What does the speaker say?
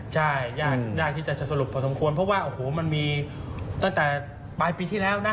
ใช่ยากยากที่จะสรุปพอสมควรเพราะว่าโอ้โหมันมีตั้งแต่ปลายปีที่แล้วนะ